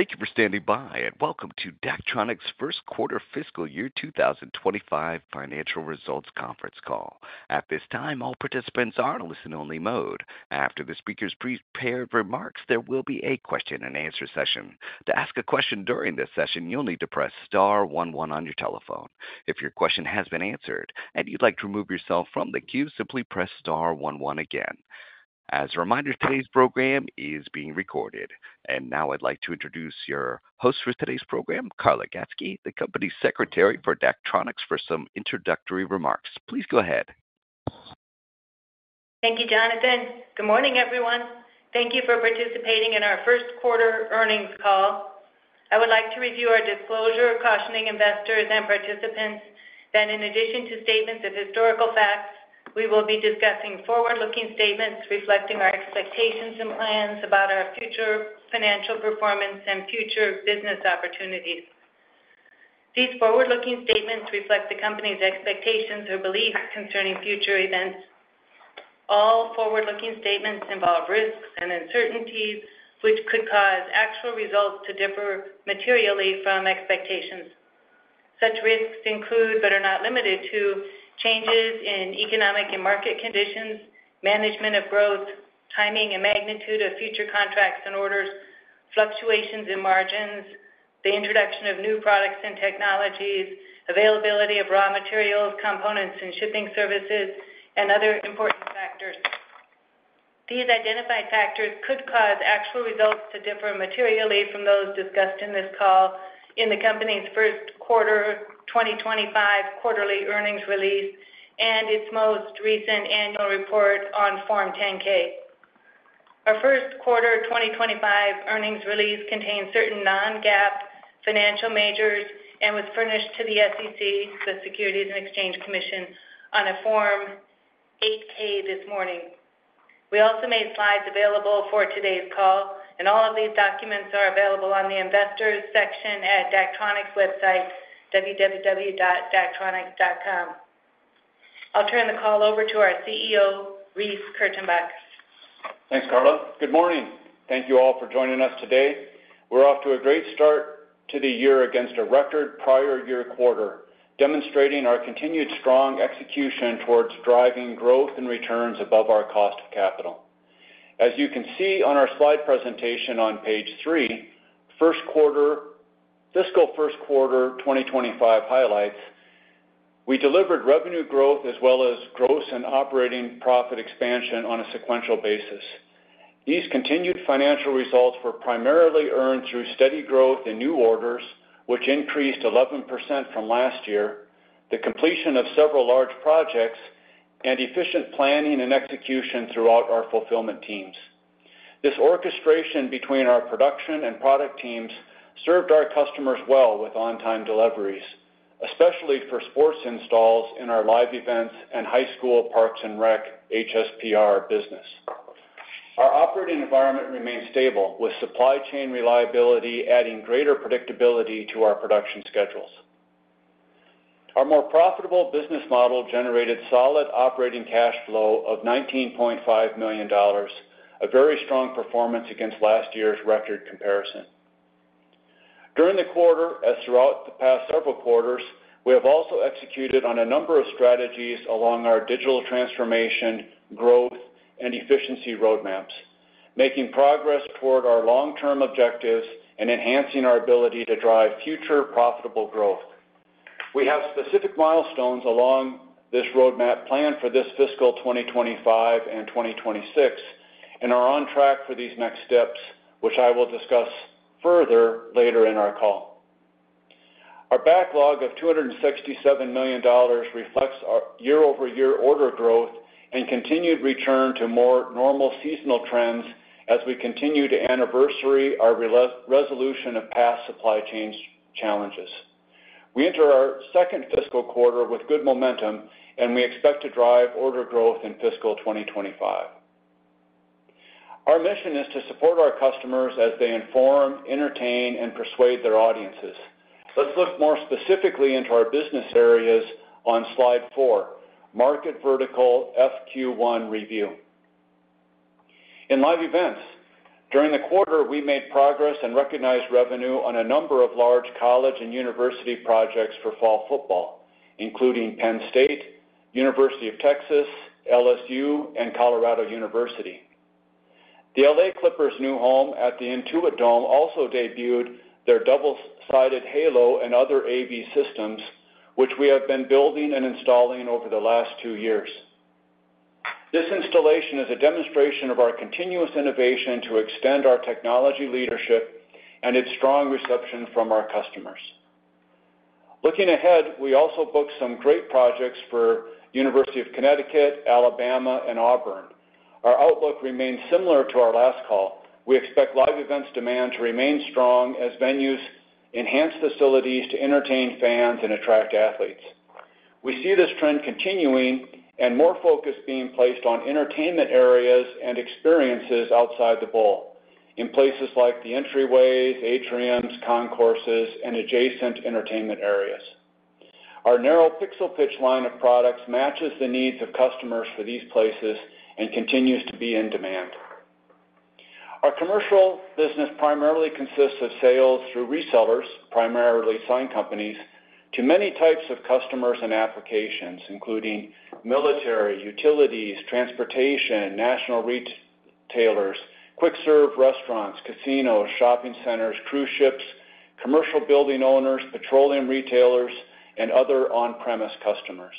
Thank you for standing by, and welcome to Daktronics' first quarter fiscal year 2025 financial results conference call. At this time, all participants are in a listen-only mode. After the speakers' prepared remarks, there will be a question-and-answer session. To ask a question during this session, you'll need to press star one one on your telephone. If your question has been answered and you'd like to remove yourself from the queue, simply press star one one again. As a reminder, today's program is being recorded. And now I'd like to introduce your host for today's program, Carla Gatzke, the Company Secretary for Daktronics, for some introductory remarks. Please go ahead. Thank you, Jonathan. Good morning, everyone. Thank you for participating in our first quarter earnings call. I would like to review our disclosure, cautioning investors and participants that in addition to statements of historical facts, we will be discussing forward-looking statements reflecting our expectations and plans about our future financial performance and future business opportunities. These forward-looking statements reflect the company's expectations or beliefs concerning future events. All forward-looking statements involve risks and uncertainties, which could cause actual results to differ materially from expectations. Such risks include, but are not limited to, changes in economic and market conditions, management of growth, timing and magnitude of future contracts and orders, fluctuations in margins, the introduction of new products and technologies, availability of raw materials, components and shipping services, and other important factors. These identified factors could cause actual results to differ materially from those discussed in this call in the company's first quarter 2025 quarterly earnings release and its most recent annual report on Form 10-K. Our first quarter 2025 earnings release contains certain non-GAAP financial measures and was furnished to the SEC, the Securities and Exchange Commission, on a Form 8-K this morning. We also made slides available for today's call, and all of these documents are available on the Investors section at Daktronics' website, www.daktronics.com. I'll turn the call over to our CEO, Reece Kurtenbach. Thanks, Carla. Good morning. Thank you all for joining us today. We're off to a great start to the year against a record prior year quarter, demonstrating our continued strong execution towards driving growth and returns above our cost of capital. As you can see on our slide presentation on page three, Fiscal First Quarter 2025 highlights, we delivered revenue growth as well as gross and operating profit expansion on a sequential basis. These continued financial results were primarily earned through steady growth in new orders, which increased 11% from last year, the completion of several large projects, and efficient planning and execution throughout our fulfillment teams. This orchestration between our production and product teams served our customers well with on-time deliveries, especially for sports installs in our live events and high school parks and rec, HSPR, business. Our operating environment remains stable, with supply chain reliability adding greater predictability to our production schedules. Our more profitable business model generated solid operating cash flow of $19.5 million, a very strong performance against last year's record comparison. During the quarter, as throughout the past several quarters, we have also executed on a number of strategies along our digital transformation, growth, and efficiency roadmaps, making progress toward our long-term objectives and enhancing our ability to drive future profitable growth. We have specific milestones along this roadmap plan for this fiscal 2025 and 2026 and are on track for these next steps, which I will discuss further later in our call. Our backlog of $267 million reflects our year-over-year order growth and continued return to more normal seasonal trends as we continue to anniversary our resolution of past supply chains challenges. We enter our second fiscal quarter with good momentum, and we expect to drive order growth in fiscal 2025. Our mission is to support our customers as they inform, entertain, and persuade their audiences. Let's look more specifically into our business areas on slide four, Market Vertical FQ1 Review. In live events, during the quarter, we made progress and recognized revenue on a number of large college and university projects for fall football, including Penn State, University of Texas, LSU, and University of Colorado. The LA Clippers' new home at the Intuit Dome also debuted their double-sided Halo and other AV systems, which we have been building and installing over the last two years. This installation is a demonstration of our continuous innovation to extend our technology leadership and its strong reception from our customers. Looking ahead, we also booked some great projects for University of Connecticut, Alabama, and Auburn. Our outlook remains similar to our last call. We expect live events demand to remain strong as venues enhance facilities to entertain fans and attract athletes. We see this trend continuing and more focus being placed on entertainment areas and experiences outside the bowl, in places like the entryways, atriums, concourses, and adjacent entertainment areas. Our narrow pixel pitch line of products matches the needs of customers for these places and continues to be in demand. Our commercial business primarily consists of sales through resellers, primarily sign companies, to many types of customers and applications, including military, utilities, transportation, national retailers, quick-serve restaurants, casinos, shopping centers, cruise ships, commercial building owners, petroleum retailers, and other on-premise customers.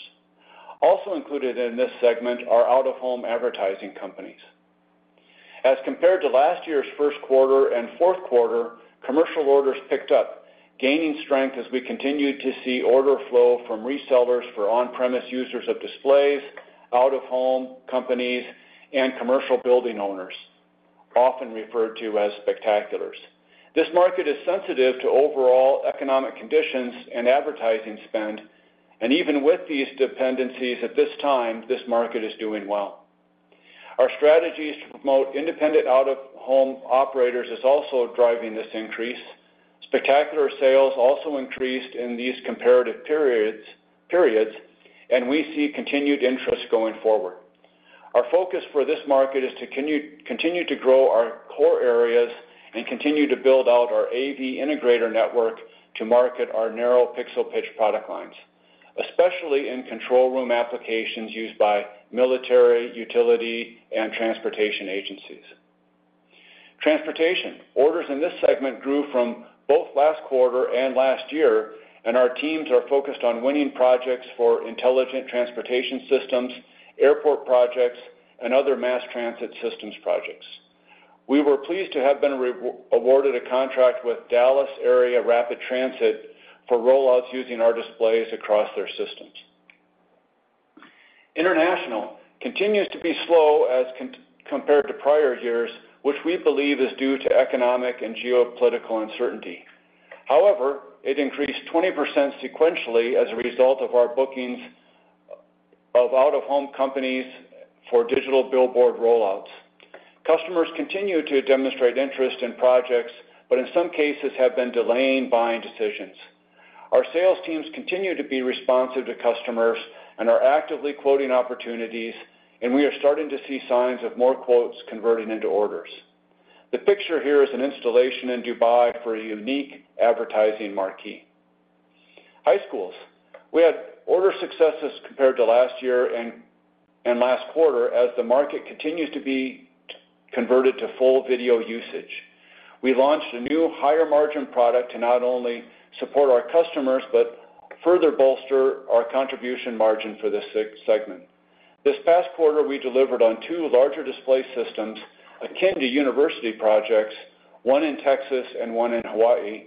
Also included in this segment are out-of-home advertising companies. As compared to last year's first quarter and fourth quarter, commercial orders picked up, gaining strength as we continued to see order flow from resellers for on-premise users of displays, out-of-home companies, and commercial building owners, often referred to as spectaculars. This market is sensitive to overall economic conditions and advertising spend, and even with these dependencies at this time, this market is doing well. Our strategies to promote independent out-of-home operators is also driving this increase. Spectacular sales also increased in these comparative periods, and we see continued interest going forward. Our focus for this market is to continue to grow our core areas and continue to build out our AV integrator network to market our narrow pixel pitch product lines, especially in control room applications used by military, utility, and transportation agencies. Orders in this segment grew from both last quarter and last year, and our teams are focused on winning projects for intelligent transportation systems, airport projects, and other mass transit systems projects. We were pleased to have been re-awarded a contract with Dallas Area Rapid Transit for rollouts using our displays across their systems. International continues to be slow as compared to prior years, which we believe is due to economic and geopolitical uncertainty. However, it increased 20% sequentially as a result of our bookings of out-of-home companies for digital billboard rollouts. Customers continue to demonstrate interest in projects, but in some cases have been delaying buying decisions. Our sales teams continue to be responsive to customers and are actively quoting opportunities, and we are starting to see signs of more quotes converting into orders. The picture here is an installation in Dubai for a unique advertising marquee. High schools. We had order successes compared to last year and last quarter as the market continues to be converted to full video usage. We launched a new higher-margin product to not only support our customers, but further bolster our contribution margin for this segment. This past quarter, we delivered on two larger display systems, akin to university projects, one in Texas and one in Hawaii,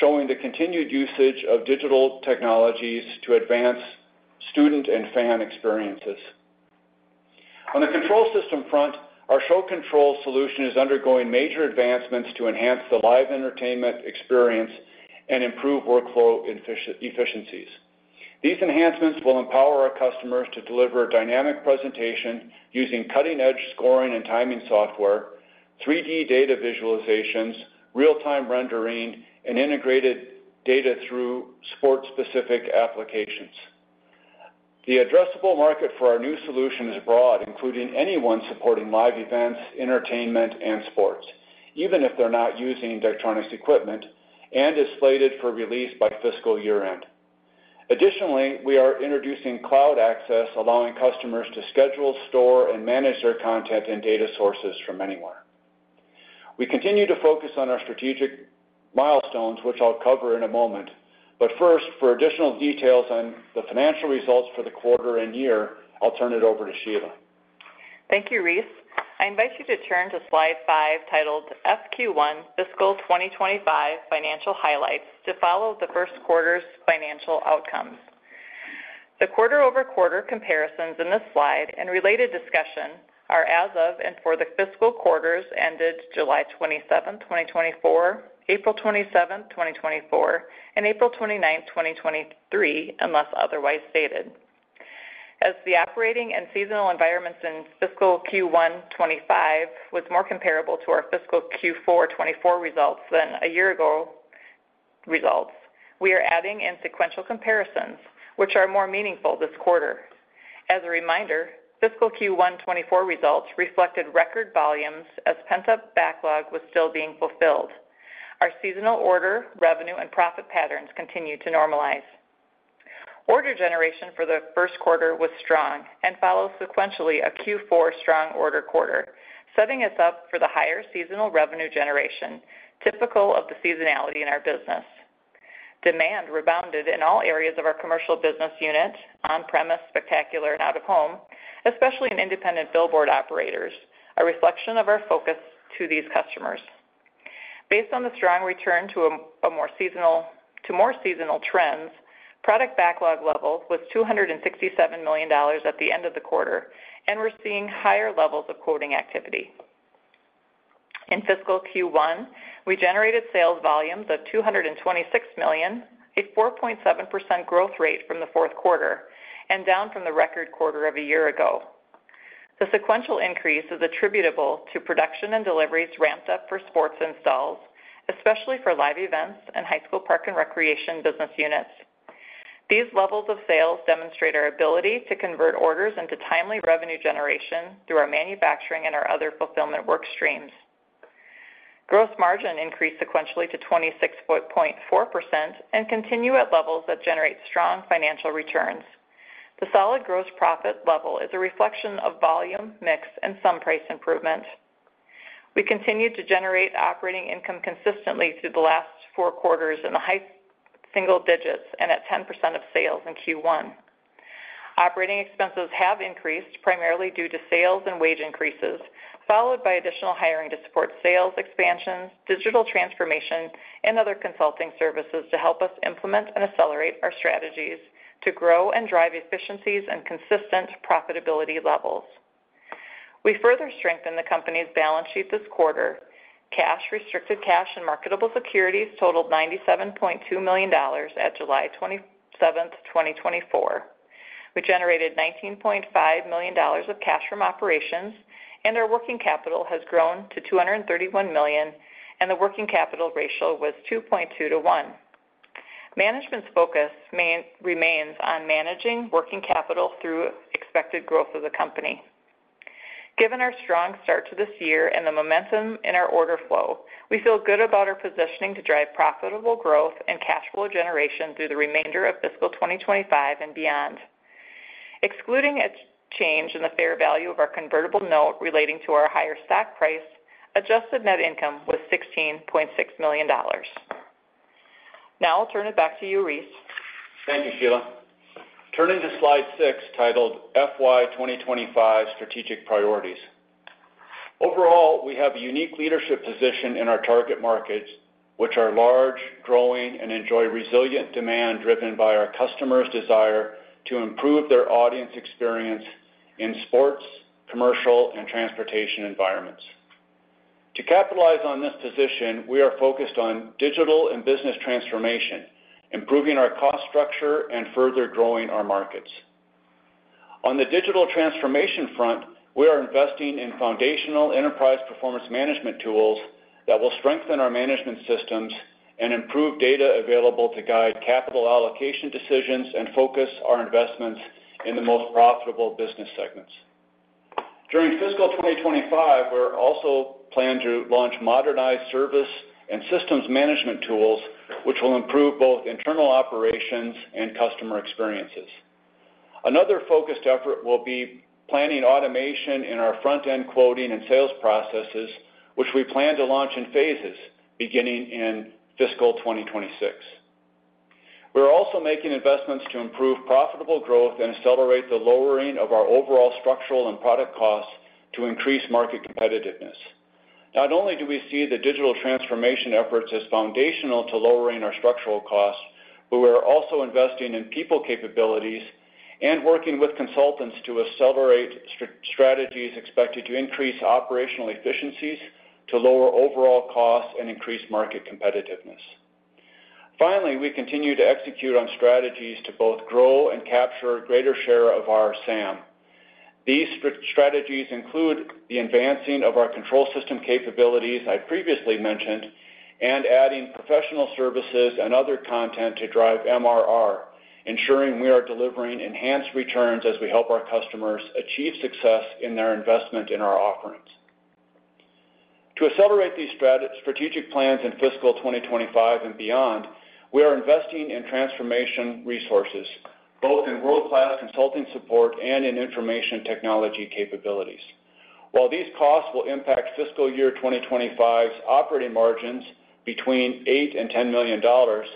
showing the continued usage of digital technologies to advance student and fan experiences. On the control system front, our Show Control solution is undergoing major advancements to enhance the live entertainment experience and improve workflow efficiencies. These enhancements will empower our customers to deliver dynamic presentation using cutting-edge scoring and timing software, 3D data visualizations, real-time rendering, and integrated data through sport-specific applications. The addressable market for our new solution is broad, including anyone supporting live events, entertainment, and sports, even if they're not using Daktronics equipment, and is slated for release by fiscal year-end. Additionally, we are introducing cloud access, allowing customers to schedule, store, and manage their content and data sources from anywhere. We continue to focus on our strategic milestones, which I'll cover in a moment. But first, for additional details on the financial results for the quarter and year, I'll turn it over to Sheila. Thank you, Reece. I invite you to turn to slide five, titled FQ1 Fiscal 2025 Financial Highlights, to follow the first quarter's financial outcomes. The quarter-over-quarter comparisons in this slide and related discussion are as of and for the fiscal quarters ended July twenty-seventh, 2024, April twenty-seventh, 2024, and April twenty-ninth, 2023, unless otherwise stated. As the operating and seasonal environments in fiscal Q1 2025 was more comparable to our fiscal Q4 2024 results than a year ago results, we are adding in sequential comparisons, which are more meaningful this quarter. As a reminder, fiscal Q1 2024 results reflected record volumes as pent-up backlog was still being fulfilled. Our seasonal order, revenue, and profit patterns continued to normalize. Order generation for the first quarter was strong and follows sequentially a Q4 strong order quarter, setting us up for the higher seasonal revenue generation, typical of the seasonality in our business. Demand rebounded in all areas of our commercial business unit, on-premise, spectacular, and out-of-home, especially in independent billboard operators, a reflection of our focus to these customers. Based on the strong return to more seasonal trends, product backlog level was $267 million at the end of the quarter, and we're seeing higher levels of quoting activity. In fiscal Q1, we generated sales volumes of $226 million, a 4.7% growth rate from the fourth quarter and down from the record quarter of a year ago. The sequential increase is attributable to production and deliveries ramped up for sports installs, especially for live events and high school park and recreation business units. These levels of sales demonstrate our ability to convert orders into timely revenue generation through our manufacturing and our other fulfillment work streams. Gross margin increased sequentially to 26.4% and continue at levels that generate strong financial returns. The solid gross profit level is a reflection of volume, mix, and some price improvement. We continued to generate operating income consistently through the last four quarters in the high single digits and at 10% of sales in Q1. Operating expenses have increased, primarily due to sales and wage increases, followed by additional hiring to support sales expansions, digital transformation, and other consulting services to help us implement and accelerate our strategies to grow and drive efficiencies and consistent profitability levels. We further strengthened the company's balance sheet this quarter. Cash, restricted cash, and marketable securities totaled $97.2 million at July 27th, 2024. We generated $19.5 million of cash from operations, and our working capital has grown to $231 million, and the working capital ratio was 2.2 to 1. Management's focus remains on managing working capital through expected growth of the company. Given our strong start to this year and the momentum in our order flow, we feel good about our positioning to drive profitable growth and cash flow generation through the remainder of fiscal 2025 and beyond. Excluding a change in the fair value of our convertible note relating to our higher stock price, adjusted net income was $16.6 million. Now I'll turn it back to you, Reece. Thank you, Sheila. Turning to Slide six, titled FY 2025 Strategic Priorities. Overall, we have a unique leadership position in our target markets, which are large, growing, and enjoy resilient demand, driven by our customers' desire to improve their audience experience in sports, commercial, and transportation environments. To capitalize on this position, we are focused on digital and business transformation, improving our cost structure, and further growing our markets. On the digital transformation front, we are investing in foundational enterprise performance management tools that will strengthen our management systems and improve data available to guide capital allocation decisions and focus our investments in the most profitable business segments. During fiscal 2025, we're also planning to launch modernized service and systems management tools, which will improve both internal operations and customer experiences. Another focused effort will be planning automation in our front-end quoting and sales processes, which we plan to launch in phases beginning in fiscal 2026. We're also making investments to improve profitable growth and accelerate the lowering of our overall structural and product costs to increase market competitiveness. Not only do we see the digital transformation efforts as foundational to lowering our structural costs, but we're also investing in people capabilities and working with consultants to accelerate strategies expected to increase operational efficiencies, to lower overall costs, and increase market competitiveness. Finally, we continue to execute on strategies to both grow and capture a greater share of our SAM. These strategies include the advancing of our control system capabilities I previously mentioned, and adding professional services and other content to drive MRR, ensuring we are delivering enhanced returns as we help our customers achieve success in their investment in our offerings. To accelerate these strategic plans in fiscal 2025 and beyond, we are investing in transformation resources, both in world-class consulting support and in information technology capabilities. While these costs will impact fiscal year 2025's operating margins between eight and 10 million dollars,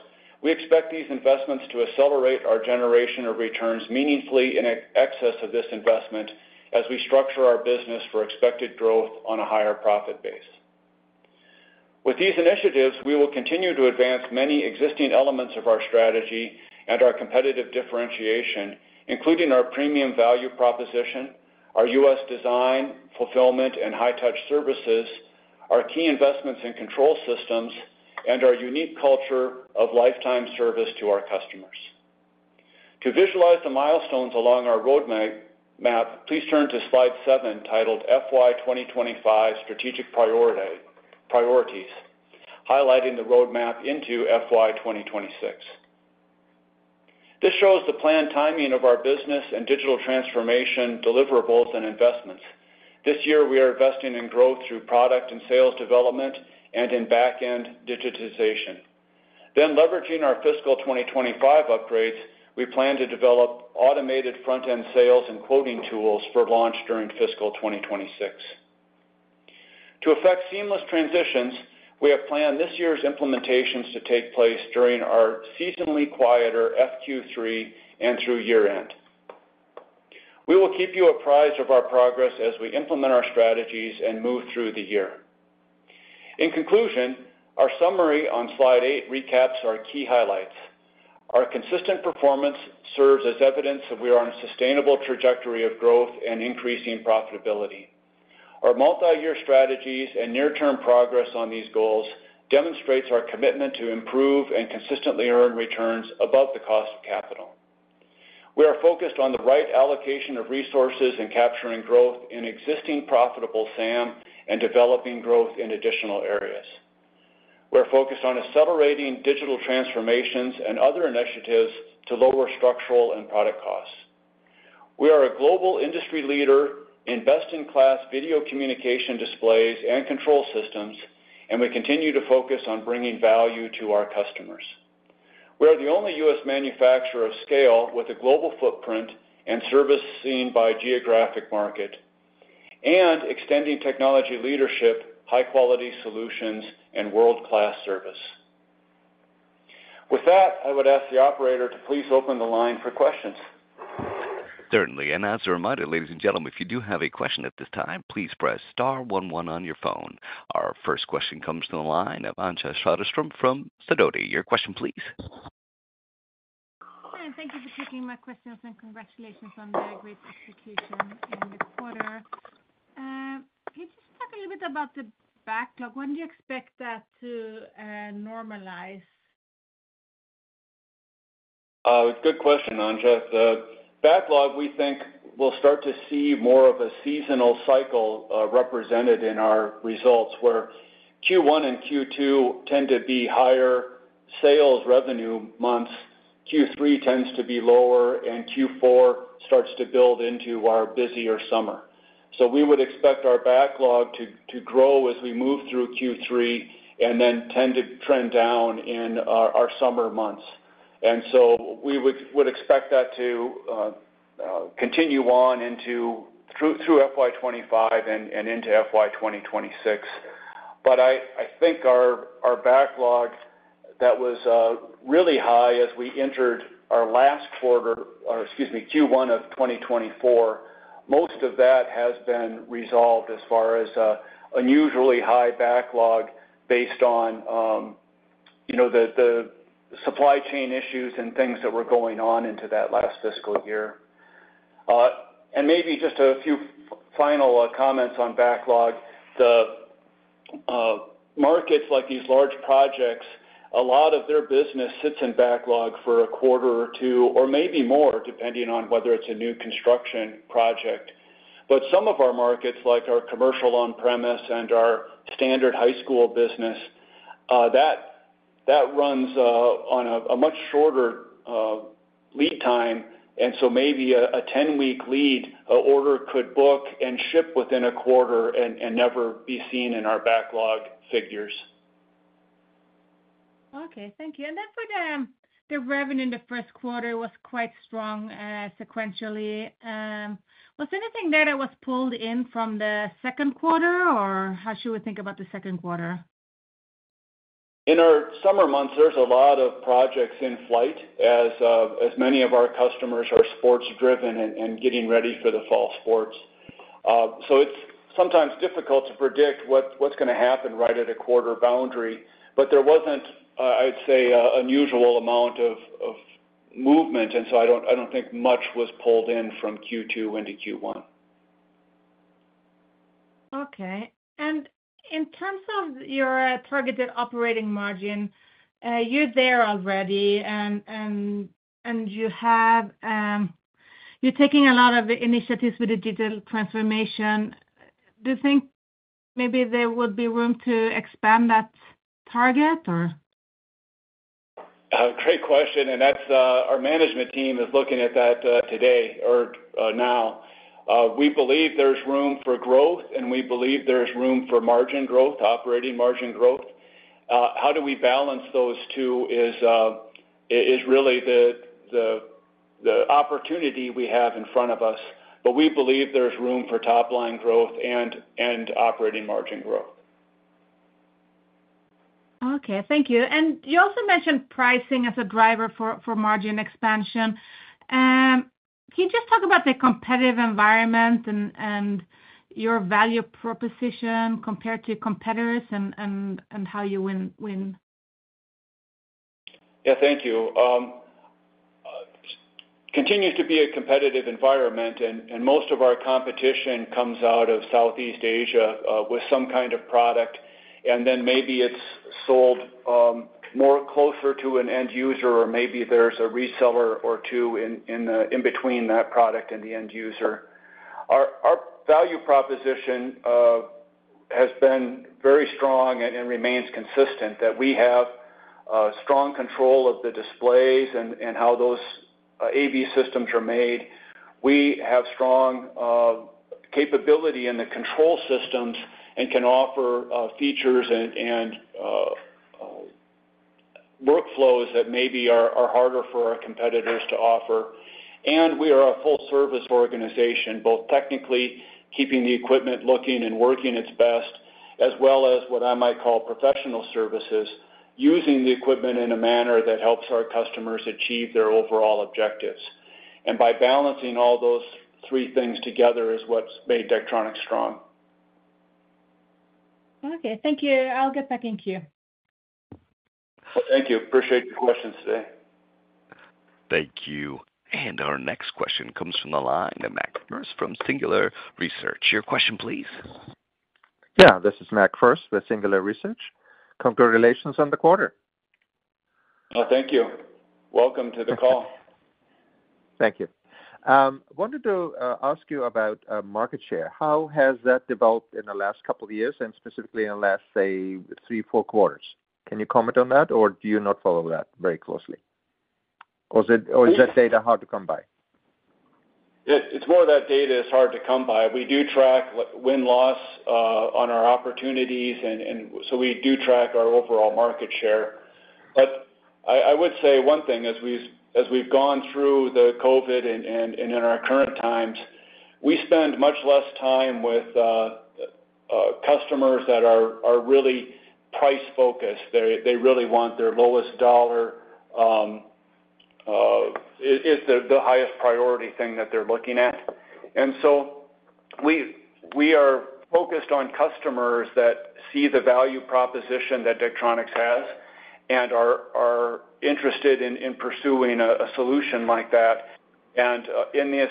we expect these investments to accelerate our generation of returns meaningfully in excess of this investment as we structure our business for expected growth on a higher profit base. With these initiatives, we will continue to advance many existing elements of our strategy and our competitive differentiation, including our premium value proposition, our U.S. design, fulfillment, and high-touch services, our key investments in control systems, and our unique culture of lifetime service to our customers. To visualize the milestones along our roadmap, please turn to Slide seven, titled FY 2025 Strategic Priority, Priorities, highlighting the roadmap into FY 2026. This shows the planned timing of our business and digital transformation deliverables and investments. This year, we are investing in growth through product and sales development and in back-end digitization. Then, leveraging our fiscal 2025 upgrades, we plan to develop automated front-end sales and quoting tools for launch during fiscal 2026. To affect seamless transitions, we have planned this year's implementations to take place during our seasonally quieter FQ3 and through year-end. We will keep you apprised of our progress as we implement our strategies and move through the year. In conclusion, our summary on Slide eight recaps our key highlights. Our consistent performance serves as evidence that we are on a sustainable trajectory of growth and increasing profitability. Our multi-year strategies and near-term progress on these goals demonstrates our commitment to improve and consistently earn returns above the cost of capital. We are focused on the right allocation of resources and capturing growth in existing profitable SAM and developing growth in additional areas. We're focused on accelerating digital transformations and other initiatives to lower structural and product costs. We are a global industry leader in best-in-class video communication displays and control systems, and we continue to focus on bringing value to our customers. We are the only U.S. manufacturer of scale with a global footprint and service seen by geographic market, and extending technology leadership, high-quality solutions, and world-class service. With that, I would ask the operator to please open the line for questions. Certainly. And as a reminder, ladies and gentlemen, if you do have a question at this time, please press star one one on your phone. Our first question comes from the line of Anja Soderstrom from Sidoti. Your question, please. Hi, and thank you for taking my questions, and congratulations on the great execution in the quarter. Can you just talk a little bit about the backlog? When do you expect that to normalize? Good question, Anja. The backlog, we think, will start to see more of a seasonal cycle represented in our results, where Q1 and Q2 tend to be higher sales revenue months, Q3 tends to be lower, and Q4 starts to build into our busier summer. So we would expect our backlog to grow as we move through Q3, and then tend to trend down in our summer months. And so we would expect that to continue on through FY 2025 and into FY 2026. I think our backlog that was really high as we entered our last quarter, or excuse me, Q1 of 2024, most of that has been resolved as far as unusually high backlog based on, you know, the supply chain issues and things that were going on into that last fiscal year. Maybe just a few final comments on backlog. The markets like these large projects. A lot of their business sits in backlog for a quarter or two, or maybe more, depending on whether it is a new construction project. But some of our markets, like our commercial on-premise and our standard high school business, that runs on a much shorter lead time, and so maybe a ten-week lead order could book and ship within a quarter and never be seen in our backlog figures. Okay, thank you. And then for the revenue in the first quarter was quite strong, sequentially. Was anything there that was pulled in from the second quarter, or how should we think about the second quarter? In our summer months, there's a lot of projects in flight, as many of our customers are sports driven and getting ready for the fall sports, so it's sometimes difficult to predict what's gonna happen right at a quarter boundary, but there wasn't, I'd say, an unusual amount of movement, and so I don't think much was pulled in from Q2 into Q1. Okay. And in terms of your targeted operating margin, you're there already and you're taking a lot of initiatives with the digital transformation. Do you think maybe there would be room to expand that target, or? Great question, and that's our management team is looking at that today or now. We believe there's room for growth, and we believe there's room for margin growth, operating margin growth. How do we balance those two is really the opportunity we have in front of us, but we believe there's room for top-line growth and operating margin growth. Okay, thank you. And you also mentioned pricing as a driver for margin expansion. Can you just talk about the competitive environment and your value proposition compared to competitors and how you win? Yeah, thank you. Continues to be a competitive environment, and most of our competition comes out of Southeast Asia, with some kind of product, and then maybe it's sold, more closer to an end user, or maybe there's a reseller or two in between that product and the end user. Our value proposition has been very strong and remains consistent, that we have strong control of the displays and how those AV systems are made. We have strong capability in the control systems and can offer features and workflows that maybe are harder for our competitors to offer. We are a full-service organization, both technically keeping the equipment looking and working its best, as well as what I might call professional services, using the equipment in a manner that helps our customers achieve their overall objectives. By balancing all those three things together is what's made Daktronics strong. Okay, thank you. I'll get back in queue. ... Well, thank you. Appreciate your questions today. Thank you. And our next question comes from the line of Mac Furst from Singular Research. Your question, please? Yeah, this is Mac Furst with Singular Research. Congratulations on the quarter! Oh, thank you. Welcome to the call. Thank you. Wanted to ask you about market share. How has that developed in the last couple of years, and specifically in the last, say, three, four quarters? Can you comment on that, or do you not follow that very closely? Or is that data hard to come by? It's more that data is hard to come by. We do track win-loss on our opportunities, and so we do track our overall market share. But I would say one thing, as we've gone through the COVID and in our current times, we spend much less time with customers that are really price-focused. They really want their lowest dollar is the highest priority thing that they're looking at. And so we are focused on customers that see the value proposition that Daktronics has and are interested in pursuing a solution like that. And in this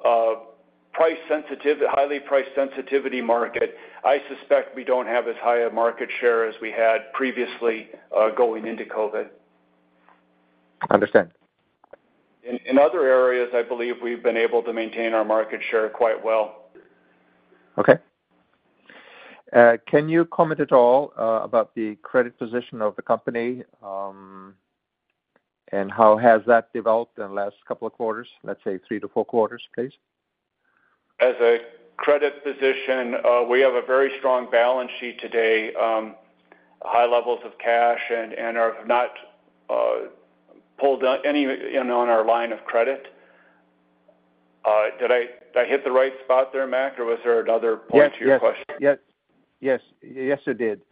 highly price sensitivity market, I suspect we don't have as high a market share as we had previously going into COVID. Understand. In other areas, I believe we've been able to maintain our market share quite well. Okay. Can you comment at all about the credit position of the company, and how has that developed in the last couple of quarters, let's say three to four quarters, please? As a credit position, we have a very strong balance sheet today, high levels of cash and are not pulled down any, you know, on our line of credit. Did I hit the right spot there, Mac, or was there another point to your question? Yes. Yes. Yes, yes, you did.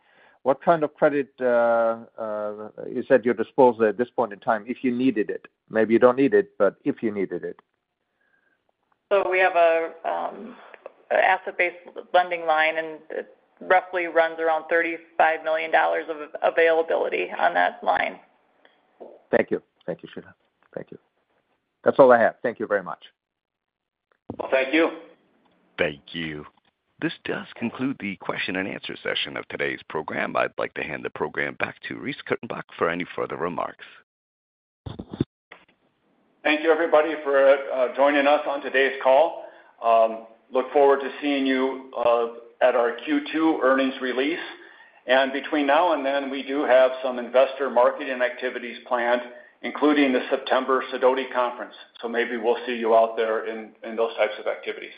What kind of credit is at your disposal at this point in time, if you needed it? Maybe you don't need it, but if you needed it. So we have an asset-based lending line, and it roughly runs around $35 million of availability on that line. Thank you. Thank you, Sheila. Thank you. That's all I have. Thank you very much. Thank you. Thank you. This does conclude the question and answer session of today's program. I'd like to hand the program back to Reece Kurtenbach for any further remarks. Thank you, everybody, for joining us on today's call. Look forward to seeing you at our Q2 earnings release. And between now and then, we do have some investor marketing activities planned, including the September Sidoti conference. So maybe we'll see you out there in those types of activities.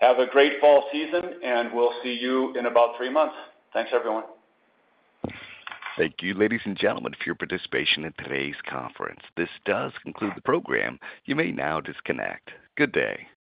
Have a great fall season, and we'll see you in about three months. Thanks, everyone. Thank you, ladies and gentlemen, for your participation in today's conference. This does conclude the program. You may now disconnect. Good day.